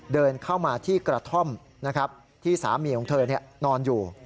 เดินเข้ามาที่กระท่อมนะครับที่สามีของเธอนอนอยู่